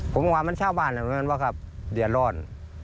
ผมคิดว่ามันชาวบ้านเนี่ยนะเหรอทห์เงินว่าครับเดี๋ยวรอด